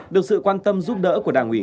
được sự quan tâm giúp đỡ của đảng phóng viên